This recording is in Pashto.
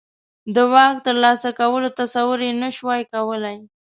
د واک ترلاسه کولو تصور یې نه شوای کولای.